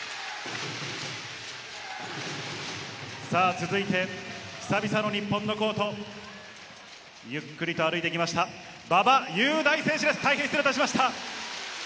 続いて久々の日本のコート、ゆっくりと歩いてきました、馬場雄大選手です。